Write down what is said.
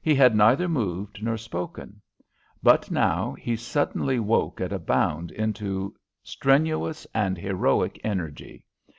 He had neither moved nor spoken. But now he suddenly woke at a bound into strenuous and heroic energy.